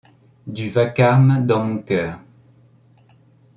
Du vacarme dans mon coeur.